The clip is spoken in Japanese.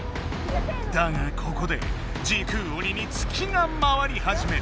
だがここで時空鬼にツキが回り始める。